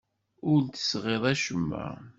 Ur d-tesɣiḍ acemma.